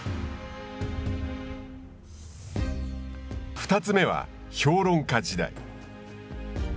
２つ目は評論家時代。